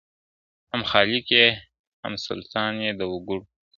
هم خالق یې هم سلطان یې د وگړو ..